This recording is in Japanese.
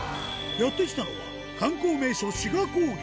やって来たのは、観光名所、志賀高原。